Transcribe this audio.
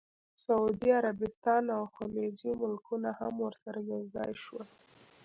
سعودي عربستان او خلیجي ملکونه هم ورسره یوځای شول.